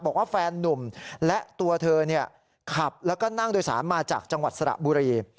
บอกว่าแฟนนุ่มและตัวเธอขับแล้วก็นั่งโดยสารมาจากจังหวัดสระบุรี